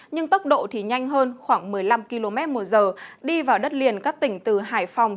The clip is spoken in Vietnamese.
nhưng tốc độ thì nhanh hơn khoảng một mươi năm km một giờ đi vào đất liền các tỉnh từ hải phòng